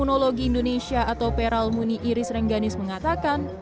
ketua psikologi indonesia atau peral muni iris rengganis mengatakan